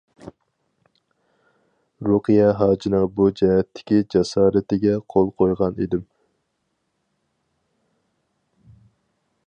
رۇقىيە ھاجىنىڭ بۇ جەھەتتىكى جاسارىتىگە قول قويغان ئىدىم.